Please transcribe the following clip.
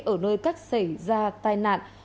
ở nơi cách xảy ra tai nạn